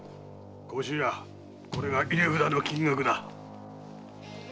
甲州屋これが入れ札の金額だ。